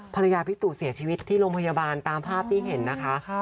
ภรรยาพี่ตู่เสียชีวิตที่โรงพยาบาลตามภาพที่เห็นนะคะ